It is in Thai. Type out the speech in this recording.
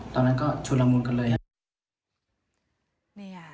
ตอนนั้นก็ฉุนละมุนกันเลย